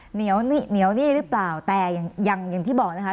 เหนียวนี่หรือเปล่าแต่อย่างที่บอกนะคะ